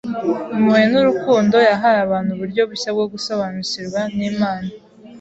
impuhwe n’urukundo. Yahaye abantu uburyo bushya bwo gusobanukirwa n’Imana.